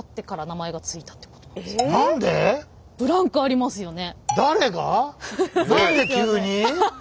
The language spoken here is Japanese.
ブランクありますよね。